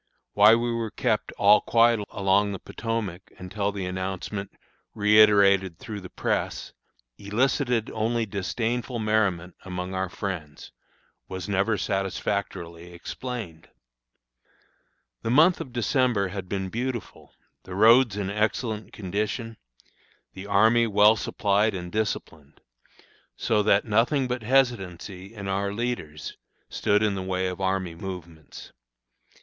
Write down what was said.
Why we were kept "all quiet along the Potomac," until the announcement, reiterated through the press, elicited only disdainful merriment among our friends, was never satisfactorily explained. The month of December had been beautiful, the roads in excellent condition, the army well supplied and disciplined, so that nothing but hesitancy in our leaders stood in the way of army movements.